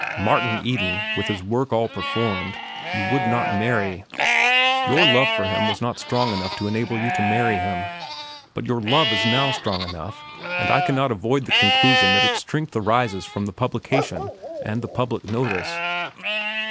Martin Eden, with his work all performed, you would not marry. Your love for him was not strong enough to enable you to marry him. But your love is now strong enough, and I cannot avoid the conclusion that its strength arises from the publication and the public notice.